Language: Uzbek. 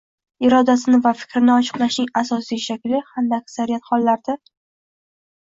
irodasini va fikrini ochiqlashning asosiy shakli, hamda aksariyat hollarda